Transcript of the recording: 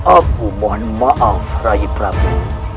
aku mohon maaf raih prabu